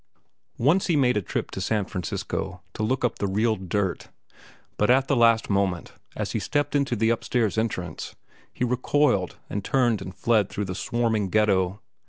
Once he made a trip to San Francisco to look up the "real dirt." But at the last moment, as he stepped into the upstairs entrance, he recoiled and turned and fled through the swarming ghetto.